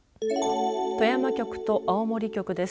富山局と青森局です。